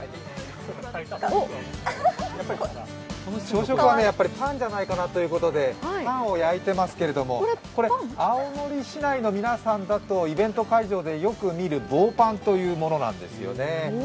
朝食はやっぱりパンじゃないかなということでパンを焼いていますけども、これ、青森市内の皆さんだとイベント会場でよく見る棒パンというものなんですよね。